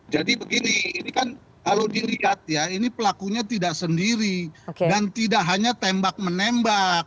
jadi gini ini kan kalau dikat ya ini pelakunya tidak sendiri oke dan tidak hanya tembak menembak